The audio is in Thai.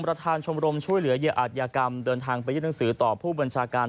ประธานชมรมช่วยเหลือเหยื่ออาจยากรรมเดินทางไปยื่นหนังสือต่อผู้บัญชาการ